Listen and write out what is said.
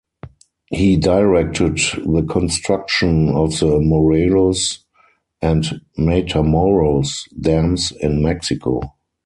He directed the construction of the Morelos and Matamoros dams in Mexico.